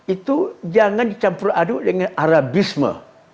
itu jangan dicampur aduk dengan arabisme